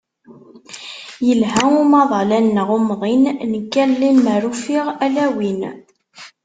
Yelha umaḍal-a-nneɣ umḍin, nekk lemmer ufiɣ ala win.